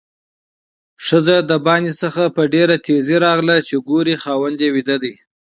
ښځه د باندې څخه په ډېره تیزۍ راغله چې ګوري خاوند یې ويده ده؛